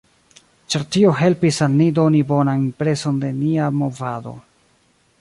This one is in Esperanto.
Ĉar tio helpis al ni doni bonan impreson de nia movado.